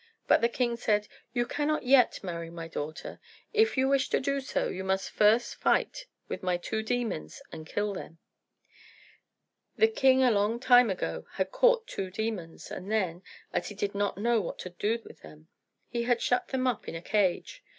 But the king said, "You cannot yet marry my daughter. If you wish to do so, you must first fight with my two demons and kill them." The king a long time ago had caught two demons, and then, as he did not know what to do with them, he had shut them up in a cage.